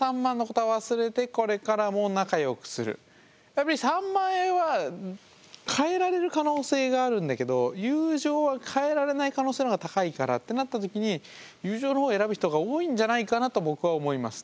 やっぱり３万円は代えられる可能性があるんだけど友情は代えられない可能性のほうが高いからってなったときに友情のほうを選ぶ人が多いんじゃないかなと僕は思います。